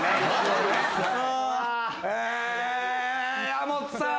矢本さん。